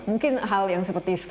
mungkin hal yang seperti